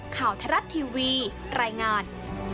ข่าวไทยรัฐทีวีรายงาน